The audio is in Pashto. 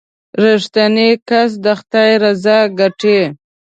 • رښتینی کس د خدای رضا ګټي.